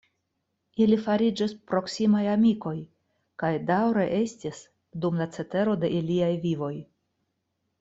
Ili fariĝis proksimaj amikoj, kaj daŭre estis dum la cetero de iliaj vivoj.